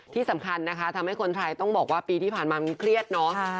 ที่สำคัญนะคะทำให้คนไทยต้องบอกว่าปีที่ผ่านมามันเครียดเนาะ